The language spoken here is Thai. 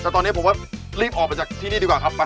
แต่ตอนนี้ผมว่ารีบออกไปจากที่นี่ดีกว่าครับไป